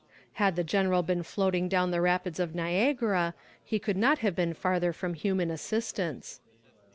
"Had the general been floating down the rapids of Niagara he could not have been farther from human assistance."